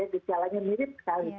di sialannya mirip sekali